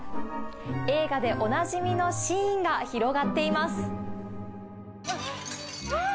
映画でおなじみのシーンが広がっています。